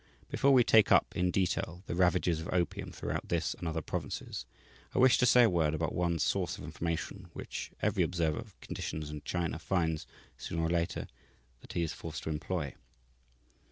Before we take up in detail the ravages of opium throughout this and other provinces, I wish to say a word about one source of information, which every observer of conditions in China finds, sooner or later, that he is forced to employ.